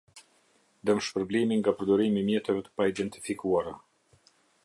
Dëmshpërblimi nga përdorimi i mjeteve të paidentifikuara.